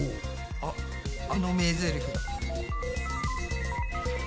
あっあの名ゼリフ。